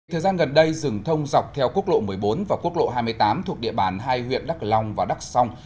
thời gian gần đây rừng thông dọc theo quốc lộ một mươi bốn và quốc lộ hai mươi tám thuộc địa bàn hai huyện đắk long và đắc song